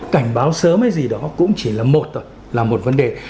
cảnh báo sớm hay gì đó cũng chỉ là một thôi là một vấn đề